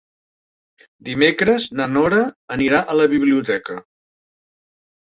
Dimecres na Nora anirà a la biblioteca.